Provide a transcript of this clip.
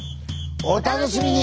お楽しみに！